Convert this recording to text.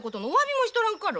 もしとらんかろ。